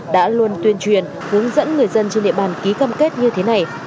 đã luôn tuyên truyền hướng dẫn người dân trên địa bàn ký cam kết như thế này